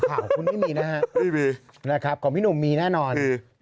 ข่าวคนนี้มีนะฮะของพี่หนุ่มมีแน่นอน